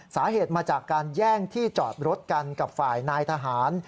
สาเหตุมาจากการแย่งที่จอดรถกันกับฝ่ายนายทหาร